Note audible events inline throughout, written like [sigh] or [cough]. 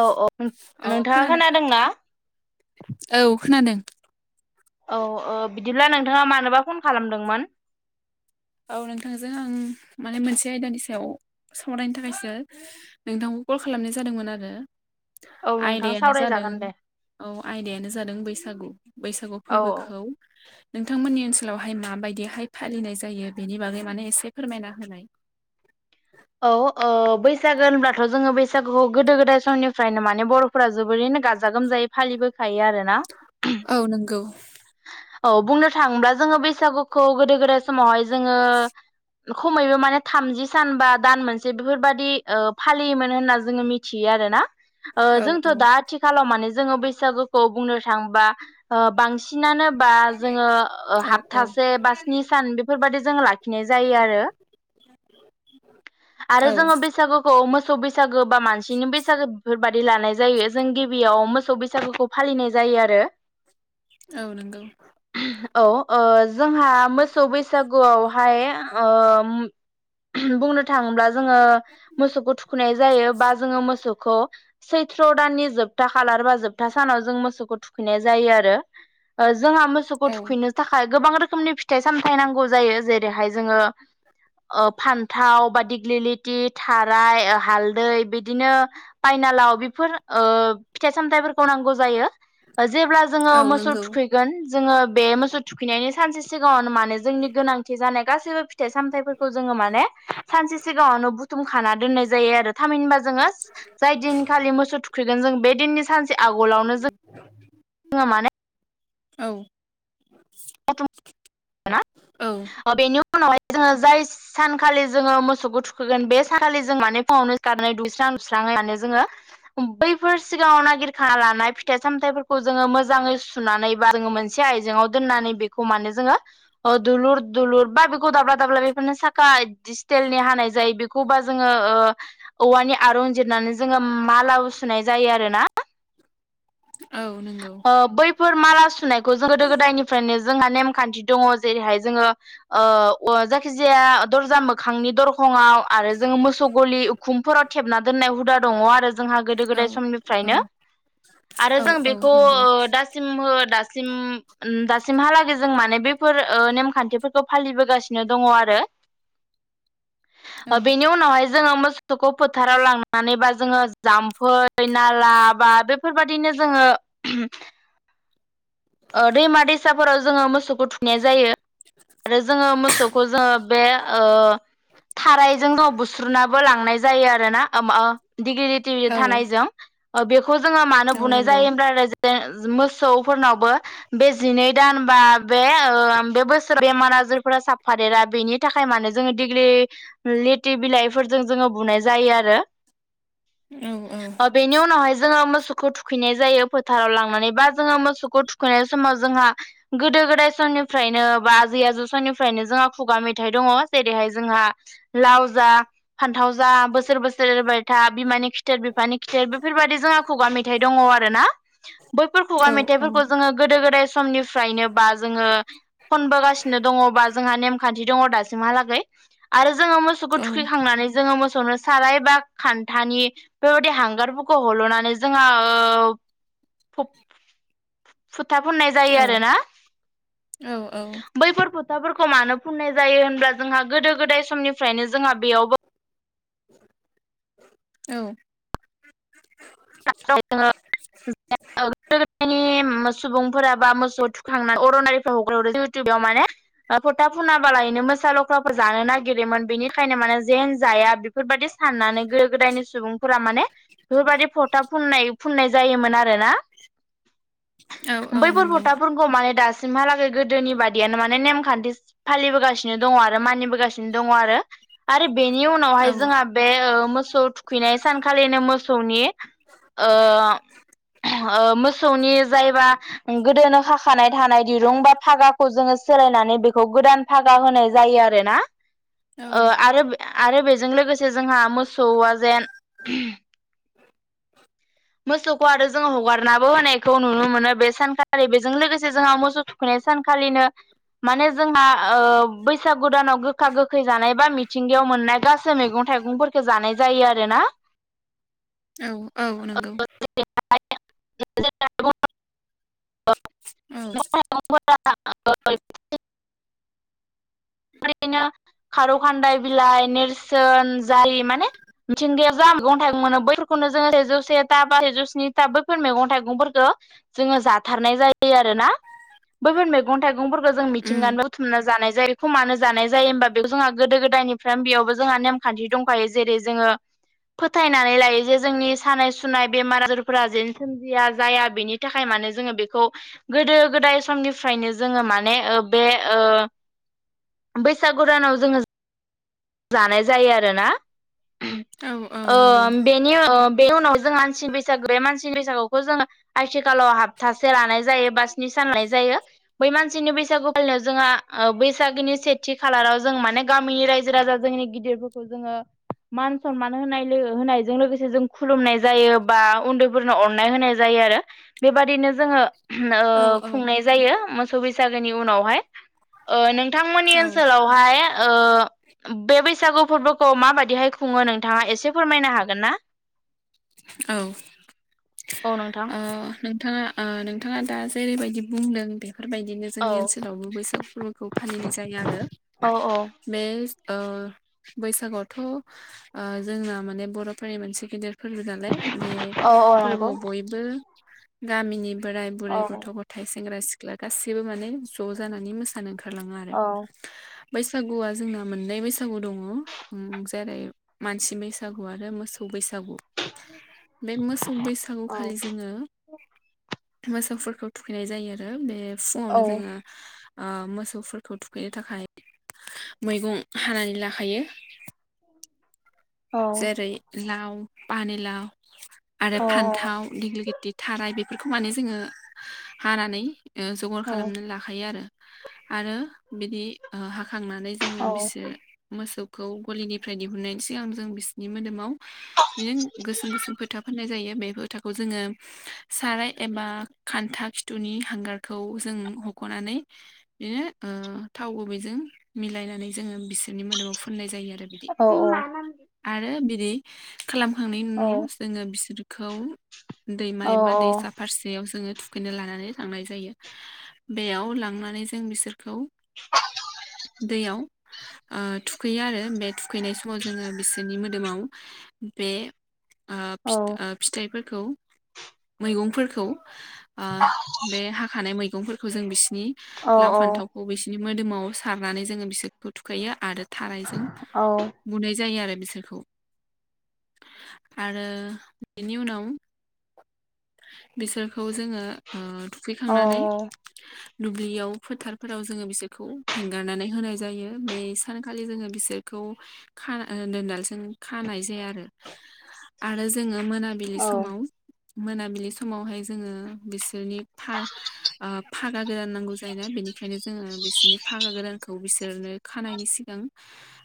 औ औ औ नोंथाङा खोनादों खोनादोंना? औ खोनादों। औ ओ बिदिब्ला नोंथाङा मानोबा फन खालामदोंमोन? औ नोंथांजों आं माने मोनसे आयदानि सायाव सावरायनो थाखायसो नोंथांखौ कल खालामनाय जादोंमोन आरो औ नोंथां आयदायानो जादों सावरायजागोन दे औ आयदायानो जादों बैसागु बैसागु औ फोरबोखौ नोंथांमोननि ओनसोलावहाय माबायदिहाय फालिनाय जायो बेनि बागै माने एसे फोरमायना होनाय? औ ओ बैसागो होनब्लाथ' जोङो बैसागुखौ गोदो गोदाय समनिफ्रायनो माने बर' फोरा जोबोरैनो गाजा गोमजायै फालिबोखायो आरोना। औ नंगौ औ बुंनो थाङोब्ला जोङो बैसागुखौ गोदो गोदाय समावहाय जोङो खमैबो माने थामजि सान बा दान मोनसे बेफोरबायदि ओ फालियोमोन होनना जोङो मिथियो आरोना ओ औ जोंथ' औ दा आथि खालाव माने जोङो बैसागुखौ बुंनो थाङोबा ओ बांसिनानो बा जोङो ओ औ औ हाबथासे बा स्नि सान बेफोरबादि जोङो लाखिनाय जायो आरो। [inaudible] आरो औ जोङो बैसागु खौ मोसौ बैसागो बा मानसिनि बैसागो बेफोरबायदि लानाय जायो जों गिबियाव मोसौ बैसागुखौ फालिनाय जायो आरो। औ नंगौ। औ ओ जोंहा मोसौ बैसागुआवहाय ओ बुंनो थाङोब्ला जोङो मोसौखौ थु खैनाय जायो बा जोङो मोसौखौ सैथ्र' दाननि जोब जोबथा खालार बा जोबथा सानाव जों मोसौखौ थुखैनाय जायो आरो ओ जोंहा मोसौखौ औ थुखैनो थाखाय गोबां रोखोमनि फिथाइ सामथाय नांगौ जायो जेरैहाय जोङो ओ फान थाव बा दिग्लिलिथि थाराय हालदै बिदिनो फाइनालाव बेफोर ओ फिथाइ सामथाइफोरखौ नांगौ जायो। ओ जेब्ला जोङो औ मोसौ नंगौ थुखैगोन जोङो बे मोसौ थुखैनायनि सानसे सि सिगाङावनो माने जोंनि गोनांथि जानाय गासैबो फिथाइ सामथाइफोरखौ जोङो माने सानसे सिगाङावनो बुथुम खाना दोननाय जायो आरो थामहिनबा जोङो जाय दिनखालि मोसौ थुखैगोन जों बे दिननि सानसे आगलावनो जों [unintelligible] जोंहा माने औ। [unintelligible] औ ओ बेनि उनावहाय जोङो जायस सानखालि जोङो मोसौखौ थुखैगोन बे सानखालि जों माने फुङावनो सिखारनानै दुगैस्रां लोबस्रां खालामनानै जोङो बैफोर सिगाङाव नागिरखा लानाय फिथाइ सामथाइफोरखौ जोङो मोजाङै सु सुनानै बा जोङो मोनसे आइजेङाव दोननानै बेखौ मानोे जोङो अ दुलुर-दुलुर बा बेखौ दाब्ला-दाब्ला बेफोरनो साखा दिसिटेलनि हानाय जायो बेखौबा जोङो ओ औवानि आरुं जिरनानै जोङो मालाबो सुनाय जायो आरोनाव औ नंगौ ओ बैफोर माला सुनायखौ जों गोदो गोदायनिफ्रायनो जोंहा नेमखान्थि दङ जेरैहाय जोङो ओ अवा जायखिजाया दरजा मोखांनि दरखंआव आरो जोङो मोसौ गलि खुमफोराव थेबना दोननाय हुदा दङ आरो जोंहा गोदो औ गोदाय औ समनिफ्रायनो। आरो औ जों बेखौ नंगौ ओ दासिम हो दासिम उम दासिमहालागै जों माने बेफोर ओ नेमखान्थिफोरखौ फालिबोगासिनो दङ आरो। औ ओ बेनि उ उनावहाय जोङो मोसौखौ फोथाराव लांनानै बा जोङो जाम्फै नाला बा बे फोरबायादिनो जोङो ओ दैमा दैसाफोराव जोङो मोसौखौ थुनाय जायो। आरो जोङो मोसौखौ जोङो बे ओ थारायजों थाव बुस्रोनाबो लांनाय जायो आरोना ओम ओ डिगिलिथि औ थानायजों ओ बेख खौ जोङो मानो औ बुनाय नंगौ जायोब्ला होमब्ला मोसौफोरनावबो बे जिनै दान बा बे ओ बे बोसोर बेमार आजारफोरा साबफादेरा बेनि थाखाय मानो जोङो दिग्लि लिथि बिलाइफोरजों जोङो बुनाय जायो आरो। [inaudible] औ औ। ओबेनि उनावहाय जोङो मोसौखौ थुखैनाय जायो फो थाराव लांनानै बा जोङो मोसौखौ थुखैनाय समाव जोंहा गोदो गोदाय समनिफ्रायनो बा आजै आजौ समनिफ्रायनो जोंहा खुगा मेथाइ दङ जेरैहाय जोंहा लाव जा फान्थाव जा बोसोर बोसो सोर एरबाय था बिमानि खिथेर बिफानि खिथेर बेफोरबायदि जोंहा खुगा मेथाइ दङ आरो ना।। बैफोर औ खुगा औ मेथाइफोरखौ जोङो गोदो गोदाय समनिफ्रायनो बा जोङो खनबोगासिनो दङ बा जोंहा नेमखान्थि दङ दासिमहालागै। आरो जोङो औ मोसौखौ थुखैखांनानै जोङो मोसौनो साराय बा खान्थानि बेबायददि हांगारफोरखौ हल'नानै जोंहा ओ फब फुथा फुननाय जायो आरो ना औ बैफोर फोथाफोरखौ मानो फुननाय जायो होनब्ला जोंहा गोदो गोदाय समनिफ्रायनो जोंहा बेयावबो औ। जोङो औ गोदोनि सुबुंफोरा बा मोसौ थखांना अरन आरि [unintelligible] फथा फुनाबालायनो मोसा लख्राफोर जानो नागिरोमोन बेनिखायनो माने जेन जाया फोरबायदि साननानै गोदो गोदायनि सुबुंफोरा माने बेफोरबायदि फथ था फुननाय फुननाय जायोमोन आरोना औ औ बैफोर नंगौ फथाफोरखौ माने दासिमहालागै गोदोनि बादियानो माने नेमखान्थि फालिबोगासिनो दङ आरो मानिबोगासिनो दङ आरो। आरो बेनि औ उनावहाय जोंहा बे ओ मोसौ थुखैनाय सानखालिनो मोसौनि ओ ओ मोसौनि जायबा गोदोनो खाखानाय थानाय दिरुं बा फागाखौ जोङो सोलायनानै बेखौ गोदान फागा होनाय जायो आरो ना औ ओ आरो आरो बेजों लोगोसे जोंहा मोसौआ जेन [inaudible] मोसौखौ आरो जोङो हगारनाबो होनायखौ नुनो मोनो बे सानखालि बेजों लोगोसे जोंहा मोसौ थु थुखैनाय सानखालिनो माने जोंहा ओ बैसागु दानाव गोखा गोखै जानाय बा मिथिंगायाव मोननाय गासै गासै मैगं थाइगंफोरखौ जानाय जायो आरो ना औ औ नंगौ [unintelligible] औ [unintelligible] खारौ खान्दाय बिलाइ नेरसोन जारि माने मिथिंगाया जा मैगं थाइगं मोनो बैफोरखौनो जोङो सेजौ से था बा सेजौ स्नि था बैफोर मैगं थाइगंफोरखौ जोङो जाथारनाय जायो आरो ना बैफोर मैगं थाइगंफोरखौ जों उम मिथिंगानि बुथुमनानै जानाय जायो खौ मानो जानाय जायो होमबा बेयाव जोंहा गोदो गोदायनिफ्राय बेयावबो जोंहा नेमखान्थि दंखायो जेरै जोङो फोथायनानै लायो जे जोंनि सानाय सुनाय बेमार आजारफोरा जेने सोमजिया जाया बेनि नि थाखाय मानोे जोङो बेखौ गोदो गोदाय समनिफ्रायनो जोङो माने ओ बे ओ बैसागुदानाव जोङो जानाय जायो आरोना औ औ ओ नंगौ बे बेनि ओ बे उनाव जों मानसिनि बैसागो बे मानसिनि बैसागुखौ जोङो आथिखालाव हप्थासे लानाय जायो बा स्नि सान लानाय जायो बै मानसिनि बैसागु फालिनायाव जोंहा ओ बैसागोनि सेथि खालाराव जों माने गामिनि रायजो रायजो राजा जोंनि गिदिरफोरखौ जोङो मान सनमान होनाय होनायजों लोगोसे जों खुलुमनाय जायो बा उन्दैफोरनो अननाय होनाय जायो आरो बेबादिनो जोङो औ ओ खुंनाय जायो मोसौ बैसागोनि उनावहाय ओ नोंथांमोननि ओनसोलावहाय ओ बे बैसागु फोरबोखौ माबादिहाय खुङो नोंथाङा एसे फोरमायनो हागोन ना औ अ नोंथां ओ नोंथाङा ओ नोंथाङा दा जेरैबायदि बुंदों बेफोरबायदिनो औ जोंनि ओनसोलावबो बैसागु फोरबोखौ फालिनाय जायो आरो औ औ बे ओ बैसागोआवथ' ओ जोंना माने बर'फोरनि मोनसे गेदेर फोरबो जालाय बे औ औ नंगौ फोरबोआव बयबो गामिनि बोराय बुरै औ गथ' गथ थाइ सेंग्रा सिख्ला गासैबो माने ज' जानानै मोसानो ओंखारलाङो आरो औ बैसागुआ जोंना मोननै बैसागु दङ ओम जेरै मानसि बैसागु आरो मोसौ बैसागु बे मोसौ बैसागु औ खालि जों मोसौफोरखौ थुखैनाय जायो आरो बे औ फुङावनो जोङो ओ मोसौफोरखौ थुखैनो थाखाय मैगं हानानै लाखायो औ जेरै लाव पानिलाव आरो औ फान्थाव गिग्लि गिति थाराय बेफोरखौ माने जोङो हानानै ओ जगार औ खालामनो ला हाखायो आरो आरो बिदि ओ हाखांनानै जोङो बिसोर मोसौखौ गलिनिफ्राय दिहुननायनि सिगां जों बिसिनि मोदोमाव बिदिनो गोसोम गोसोम फोथा फोननाय जायो बे फोथाखौ जोङो साराय एबा खान्था खिथुनि हांगारखौ जों हख'नानै बिदिनो ओ थाव गुबैजों मिलायनानै जोङो बिसोरनि मोदोमाव फुननाय जायो आरो बिदि अ अ आरो बिदि खालामखांनायनि उनाव जोङो बिसोरखौ दैमा एबा दैसा फारसे जयाव जोङो थुखैनो लानानै लांनाय जायो बेयाव लांनानै जों बिसोरखौ दैयाव आ थुखैयो आरो बे थुखैनाय समाव जोङो बिस जोंनि मोदोमाव बे आ फिथ फिथाइफोरखौ मैगंफोरखौ आ बे हाखानाय मैगंफोरखौ जों बिसिनि लाव फान्थाव बबेसिनि मोदोमाव सारनानै जोङो बिसोरखौ थुखायो आरो थारायजों बुनाय जायो आरो बिसोर आरो बेनि उनाव बिसोरखौ जोङो ओ थुखैखांनानै [unintelligible] दुब्लियाव फोथारफोराव जोङो बिसोरखौ हेंगारनानै होनाय जायो बे सानखालि जोङो बिसोरखौ खाना दोनदाल जों खानाय जाया आरो आरो जोङो मोनाबिलि औ समाव मोनाबिलि समावहाय जोङो बिसोरनि थार आ फागा गोदान नांगौ जायोना बेनिखायनो जोङो बिसोरनि फागा गोदानखौ बिसोरनो खानायनि सिगां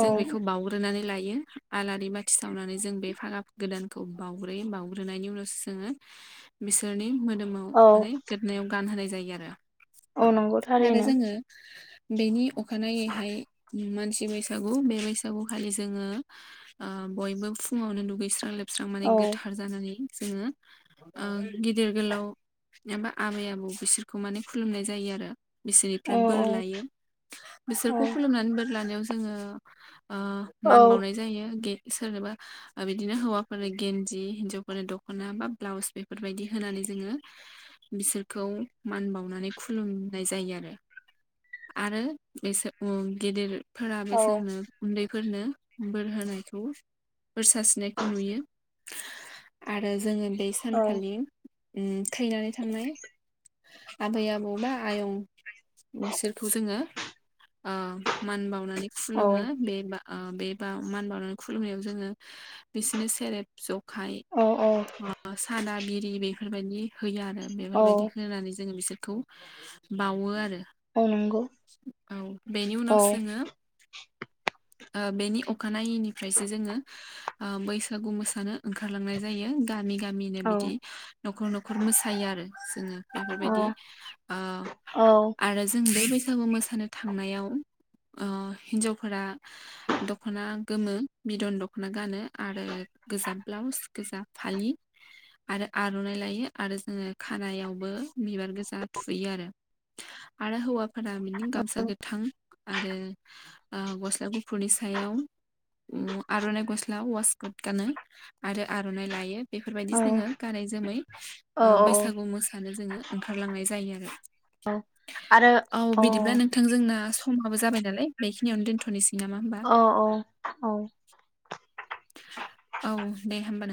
जों बेखौ बाउग्रोनानै लायो आलारि बाथि सावनानै जों बे फागा गोदानखौ बाउग्रोयो बावग्रोनायनि उनावसो जोङो बिसोरनि मोदोमाव माव औ माने गोदनायाव गान होनाय जायो आरो औ नंगौ आरो थारैनो जोङो बेनि अखानायैहाय मानसि बैसागु बे बैसागु खालि जोङो ओ बयबो फुङावनो दुगैस्रां लोबस्रां माने औ गोथार जानानै जोङो ओ गिदिर गोलाव एबा आबै आबौ बिसोरखौ माने खुलुमनाय जायो आरो औ बिसोरनिफ्राय बोर औ लायो औ बिसोरखौ खुलुमनानै बोर लानायाव जोङो ओह औ मान बावनाय जायो गेन सोरनोबा बिदिनो हौवाफोरनो गेन्दि हिन्जावफोरनो दखना बा ब्लाउस बेफोरजों बेफोरबायदि होनानै जोङो बिसोरखौ मान बावनानै खुलुमनाय जायो आरो आरो बेसोर औ गिदिर फोराबो औ जोंनो उन्दैफोरनो बोर होनायखौ बोर सारस्रिनायखौ नुयो आरो जोङो बे सानखालि उम थैनानै थांनाय आबै आबौ बा आयं बिसोरखौ जोङो आ मान बावनानै खुलुमो बे बा ओ बे बा मान बावनानै खुलुमनायाव जोङो बिसिनो सेरेब जख खाय औ औ आ सादा बिरि बेफोरबायदि होयो आरो औ बेफोरबायदि होनानै जोङो बिसोरखौ बावो आरो नंगौ औ बेनि उनाव औ जोङो ओ बेनि अखानायैनिफ्रायसो जोङो ओ बैसागु मोसानो ओंखारलांनाय जायो गामि गामिनो औ बिदि न'खर न'खर मोसायो आरो जोङो औ बेफोरबायदि ओ औ आरो जों बे बैसागु मोसा मोसानो थांनायाव ओ हिनजावफोरा दख दखना गोमो बिदन दखना गानो आरो गोजा ब्लाउस गोजा फालि आरो आरनाइ लायो आरो जोङो खानायावबो बिबार गोजा थुयो आरो आरो हौवाफोरा बिनि गामसा गोथां आरो ओ गस्ला गुफुरनि सायाव सायाव उम आरनाइ गस्ला वासकट गानो आरो आरनाइ लायो औ बेफोरबायदि जोङो गानै जोमै औ ओ बैसागु मोसानो जोङो ओंखारलांनाय जायो आरो औ आरो औ अ बिदिब्ला नोंथां जोंना समबो जाबाय नालाय बेखियावनो दोनथनोसै नामा होमबा अ अ औ [inaudible] औ दे होमबा नों